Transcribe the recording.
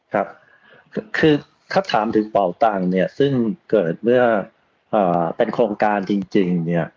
ครับคือถ้าถามถึงเป่าตังค์เนี่ยซึ่งเกิดเมื่อเป็นโครงการจริงเนี่ย